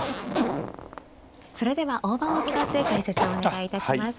それでは大盤を使って解説お願いいたします。